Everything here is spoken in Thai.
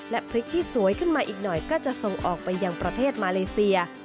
และพริกที่สวยขึ้นมาอีกหน่อยก็จะส่งออกไปยังประเทศมาเลเซีย